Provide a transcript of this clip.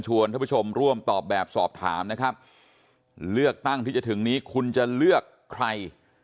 ท่านผู้ชมร่วมตอบแบบสอบถามนะครับเลือกตั้งที่จะถึงนี้คุณจะเลือกใคร